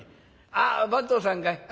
「あ番頭さんかい。